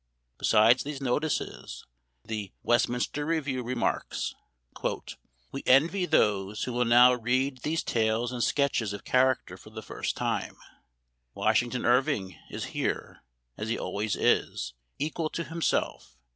Besides these notices, the " West Memoir of Washington Irving. 257 minster Review " remarks :" We envy those who will now read these tales and sketches of character for the first time. Washington Irv ing is here, as he always is, equal to himself.